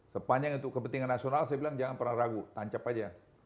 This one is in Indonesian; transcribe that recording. sepanjang untuk kepentingan nasional saya bilang jangan pernah ragu tancap aja